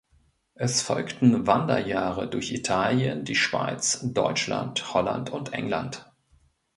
Es folgten Wanderjahre durch Italien, die Schweiz, Deutschland, Holland und England.